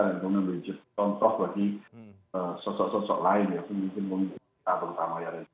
dan mungkin menjadi contoh bagi sosok sosok lain yang mungkin memimpin kita pertama